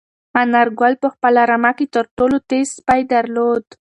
انارګل په خپله رمه کې تر ټولو تېز سپی درلود.